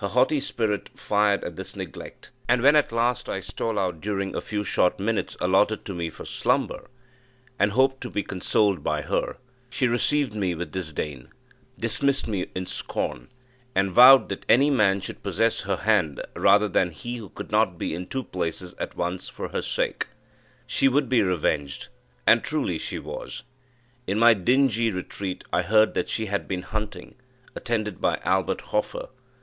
Her haughty spirit fired at this neglect; and when at last I stole out during a few short minutes allotted to me for slumber, and hoped to be consoled by her, she received me with disdain, dismissed me in scorn, and vowed that any man should possess her hand rather than he who could not be in two places at once for her sake. She would be revenged! And truly she was. In my dingy retreat I heard that she had been hunting, attended by Albert Hoffer.